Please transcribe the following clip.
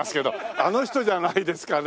あの人じゃないですかね